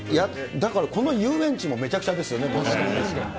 だからこの遊園地もめちゃくちゃですよね。